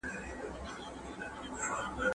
غوره پایلي یوازي د ډېر مستحق کس په نوم نه لیکل کېږي.